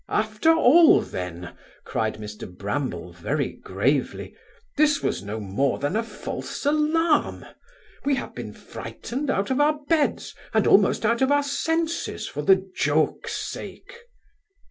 'After all then (cried Mr Bramble very gravely), this was no more than a false alarm. We have been frightened out of our beds, and almost out of our senses, for the joke's sake.